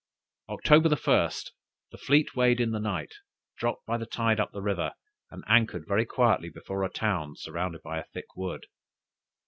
"October the 1st, the fleet weighed in the night, dropped by the tide up the river, and anchored very quietly before a town surrounded by a thick wood.